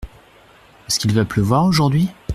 Est-ce qu’il va pleuvoir aujourd’hui ?